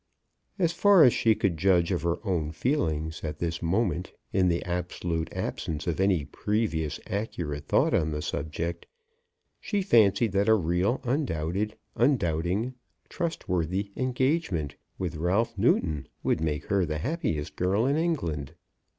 As far as she could judge of her own feelings at this moment, in the absolute absence of any previous accurate thought on the subject, she fancied that a real, undoubted, undoubting, trustworthy engagement with Ralph Newton would make her the happiest girl in England.